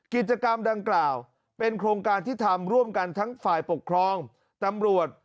กิจกรรมดังกล่าวเป็นโครงการที่ทำร่วมกันทั้งฝ่ายปกครองตำรวจ